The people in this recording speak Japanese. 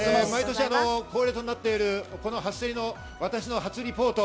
毎年恒例となっているこの初競りの私の初リポート。